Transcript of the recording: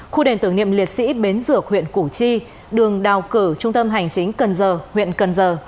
khu đền tưởng niệm liệt sĩ bến dược huyện củ chi đường đào cửa trung tâm hành chính cần giờ huyện cần giờ